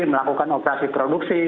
melakukan operasi produksi